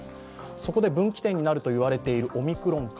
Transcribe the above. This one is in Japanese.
そこで分岐点になると言われているオミクロン株。